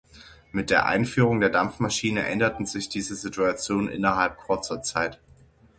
Mit der Einführung der Dampfmaschine änderten sich diese Situation innerhalb kurzer Zeit.